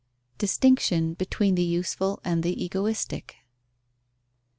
_Distinction between the useful and the egoistic.